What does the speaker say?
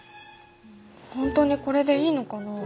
本当にこれでいいのかな？